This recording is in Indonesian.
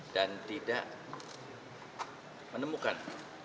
dia tidak menemukan